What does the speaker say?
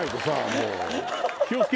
もう。